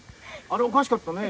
あれおかしかったね。